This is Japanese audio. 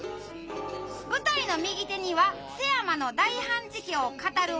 舞台の右手には背山の大判事家を語る「本床」。